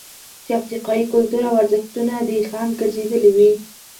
چې افریقايي کلتور او ارزښتونه دې خنډ ګرځېدلي وي.